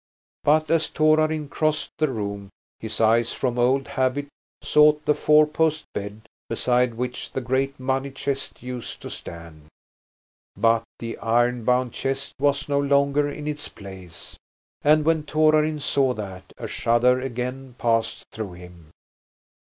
But as Torarin crossed the room, his eyes from old habit sought the four post bed, beside which the great money chest used to stand. But the ironbound chest was no longer in its place, and when Torarin saw that a shudder again passed through him.